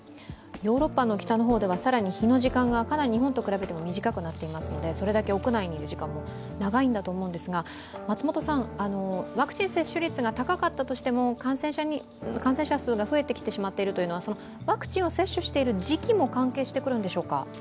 ヨーロッパの北の方では更に日の時間がかなり日本と比べても短くなっているのでそれだけ屋内にいる時間も長いのだと思いますが、ワクチン接種率が高かったとしても感染者数が増えてきてしまっているというのはワクチンを接種している時期も関係してくるのでしょうか。